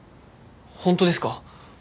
本当ですか？